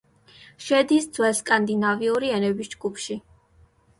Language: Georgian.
შედის ძველსკანდინავიური ენების ჯგუფში.